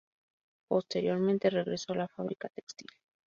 Posteriormente regresó a la fábrica textil.